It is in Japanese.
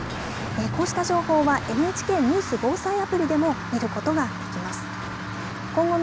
こうした情報はＮＨＫニュース・防災アプリでも見ることができます。